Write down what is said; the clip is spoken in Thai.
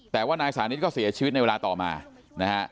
แต่ว่านายสานิทก็เสียชีวิตในเวลาต่อมานะฮะ